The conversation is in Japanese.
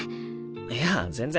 いや全然。